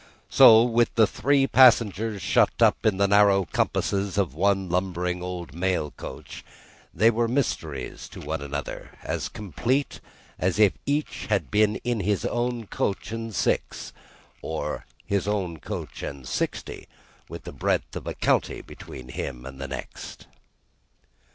So with the three passengers shut up in the narrow compass of one lumbering old mail coach; they were mysteries to one another, as complete as if each had been in his own coach and six, or his own coach and sixty, with the breadth of a county between him and the next.